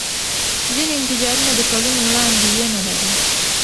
ځینې انفجارونه د کلونو وړاندوینه لري.